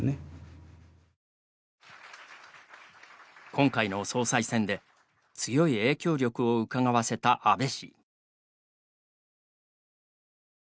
今回の総裁選で強い影響力をうかがわせた安倍氏。